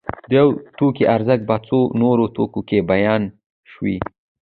د یو توکي ارزښت په څو نورو توکو کې بیان شوی